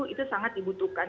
itu sangat dibutuhkan